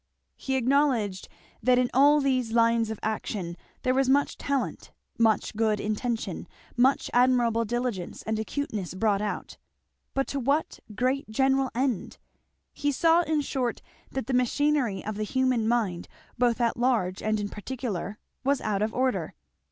He acknowledged that in all these lines of action there was much talent, much good intention, much admirable diligence and acuteness brought out but to what great general end? He saw in short that the machinery of the human mind, both at large and in particular, was out of order.